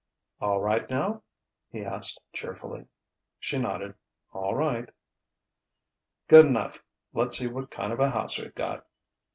"All right now?" he asked cheerfully. She nodded: "All right." "Good enough. Let's see what kind of a house we've got."